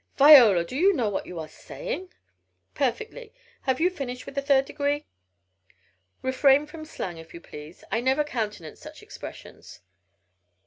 "Viola! Do you know what you are saying?" "Perfectly. Have you finished with the 'third degree?'" "Refrain from slang, if you please. I never countenance such expressions."